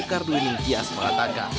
kalau semua semua